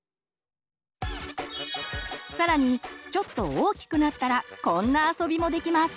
更にちょっと大きくなったらこんな遊びもできます！